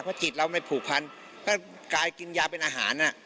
เพราะจิตเราไม่ผูกพันก็กลายกินยาเป็นอาหาร